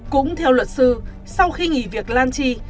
cũng theo luật sư sau khi nghỉ việc lan tri